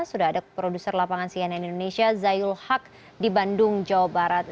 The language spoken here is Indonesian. sudah ada produser lapangan cnn indonesia zayul haq di bandung jawa barat